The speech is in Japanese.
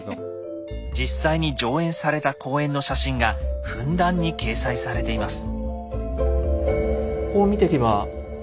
実際に上演された公演の写真がふんだんに掲載されています。